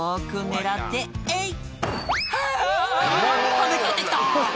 跳ね返ってきた！」